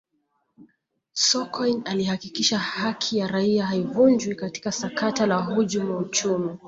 sokoine alihakikisha haki ya raia haivunjwi katika sakata la wahujumu uchumi